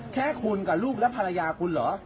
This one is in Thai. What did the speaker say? แค่คุณกับลูกและภรรยาคุณเหรอ